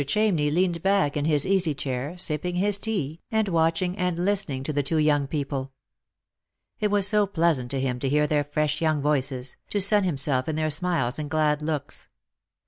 Chamney leaned back in his easy chair, sipping his tea, and watching and listen ing to the two young people. It was so pleasant to him to hear their fresh young voices, to sun himself in their smiles and glad looks.